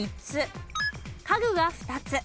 家具が２つ。